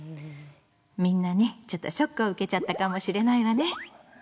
みんなねちょっとショックを受けちゃったかもしれないわね。